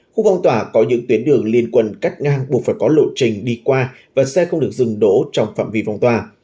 khu phong tỏa có những tuyến đường liên quân cắt ngang buộc phải có lộ trình đi qua và xe không được dừng đổ trong phạm vi phong tỏa